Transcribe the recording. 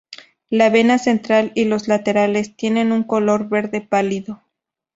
La vena central y las laterales tienen un color verde pálido.